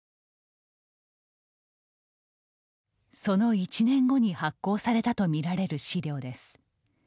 その１年後に発行されたと見られる資料です。